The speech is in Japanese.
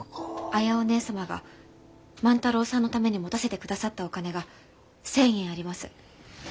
綾お義姉様が万太郎さんのために持たせてくださったお金が１，０００円あります。